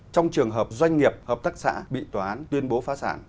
trong trường hợp doanh nghiệp hợp tác xã bị tòa án tuyên bố phá sản